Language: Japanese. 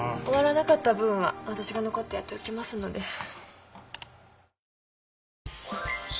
終わらなかった分は私が残ってやっておきますので。